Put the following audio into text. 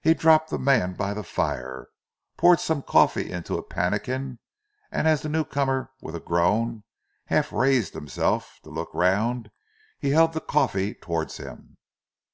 He dropped the man by the fire, poured some coffee into a pannikin, and as the new comer, with a groan, half raised himself to look round, he held the coffee towards him.